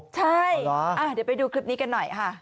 ใช่เดี๋ยวไปดูคลิปนี้กันหน่อยค่ะ